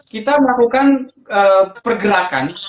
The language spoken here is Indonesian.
kita melakukan pergerakan